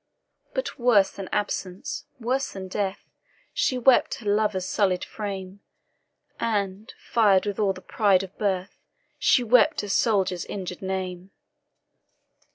But worse than absence, worse than death, She wept her lover's sullied fame, And, fired with all the pride of birth, She wept a soldier's injured name.